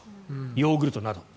ヨーグルトなど。